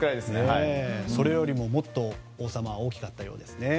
それよりももっと王様は大きかったようですね。